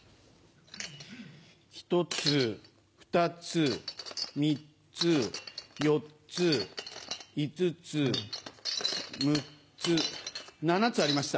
１つ２つ３つ４つ５つ６つ７つありました。